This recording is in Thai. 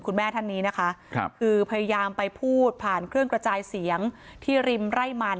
คุณแม่ท่านนี้นะคะคือพยายามไปพูดผ่านเครื่องกระจายเสียงที่ริมไร่มัน